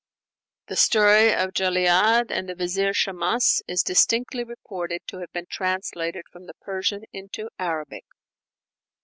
The story of Jali'ad and the Vizier Shammas is distinctly reported to have been translated from the Persian into Arabic.